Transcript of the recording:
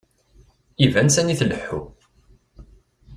Iban sani tleḥḥu.